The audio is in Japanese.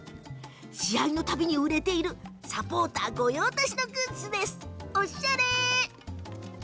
試合の度に売れているサポーター御用達グッズです。